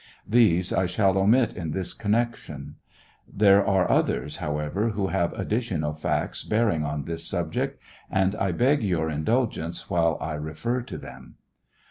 These I shall omit in this connection. There are others, however, who give additional facts bearing on this subject, and I beg your indulgence while I refer to them.